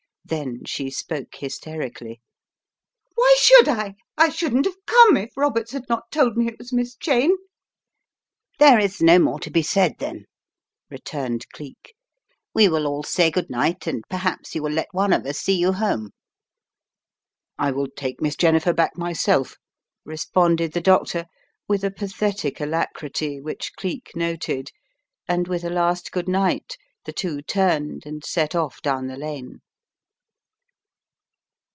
Then she spoke hysterically: "Why should I? I shouldn't have come if Roberts had not told me it was Miss Cheyne." "There is no more to be said, then," returned Cleek. "We will all say good night, and perhaps you will let one of us see you home." "I will take Miss Jennifer back, myself," responded the doctor with a pathetic alacrity which Cleek noted, and with a last good night the two turned and set off down the lane.